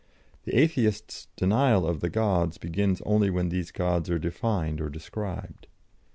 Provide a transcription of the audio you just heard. The Atheist's denial of the Gods begins only when these Gods are defined or described.